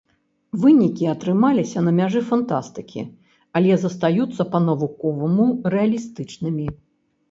Вынікі атрымаліся на мяжы фантастыкі, але застаюцца па-навуковаму рэалістычнымі.